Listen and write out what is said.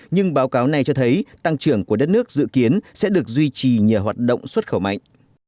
nhưng báo cáo này cho thấy tăng trưởng của đất nước dự kiến sẽ được duy trì nhờ hoạt động xuất khẩu mạnh